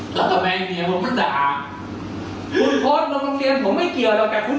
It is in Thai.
บอกว่าคุณถูกป้นเลย